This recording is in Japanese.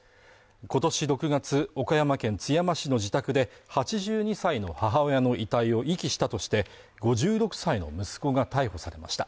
今年６月岡山県津山市の自宅で８２歳の母親の遺体を遺棄したとして５６歳の息子が逮捕されました